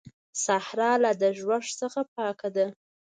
صحرا لا د ږوږ څخه پاکه ده.